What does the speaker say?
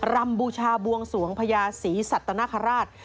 รำบูชาบวงสวงพญาศรีสัตนคราช